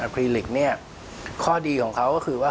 คลีลิกเนี่ยข้อดีของเขาก็คือว่า